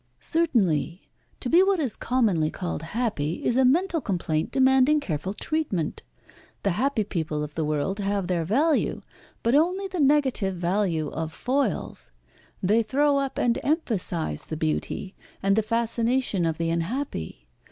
"Certainly. To be what is commonly called happy is a mental complaint demanding careful treatment. The happy people of the world have their value, but only the negative value of foils. They throw up and emphasise the beauty, and the fascination of the unhappy.